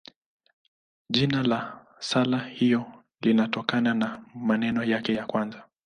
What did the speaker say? Jina la sala hiyo linatokana na maneno yake ya kwanza.